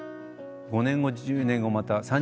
５年後１０年後。